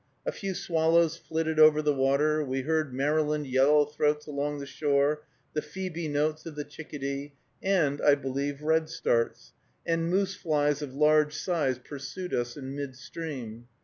A few swallows flitted over the water, we heard Maryland yellow throats along the shore, the phebe notes of the chickadee, and, I believe, redstarts, and moose flies of large size pursued us in midstream.